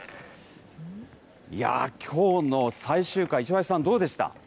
いやー、きょうの最終回、石橋さん、どうでした？